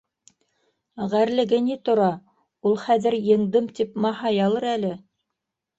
— Ғәрлеге ни тора, ул хәҙер еңдем тип маһаялыр әле.